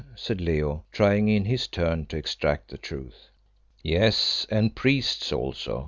said Leo, trying in his turn to extract the truth. "Yes, and priests also.